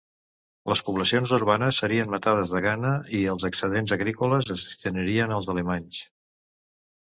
Les poblacions urbanes serien matades de gana, i els excedents agrícoles es destinarien als alemanys.